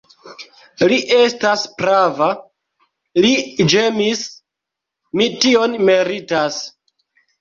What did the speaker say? Li estas prava, li ĝemis; mi tion meritas.